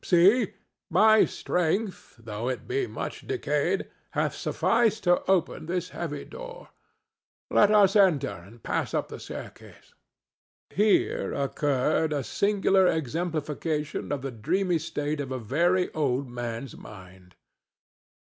"See! my strength, though it be much decayed, hath sufficed to open this heavy door. Let us enter and pass up the staircase." Here occurred a singular exemplification of the dreamy state of a very old man's mind.